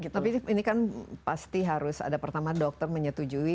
tapi ini kan pasti harus ada pertama dokter menyetujui